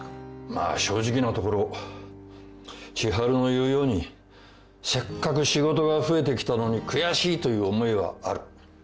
まあ正直なところ千春の言うようにせっかく仕事が増えてきたのに悔しいという思いはある。